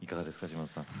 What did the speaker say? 島津さん。